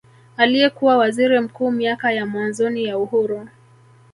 Aliyekuwa Waziri Mkuu miaka ya mwanzoni ya uhuru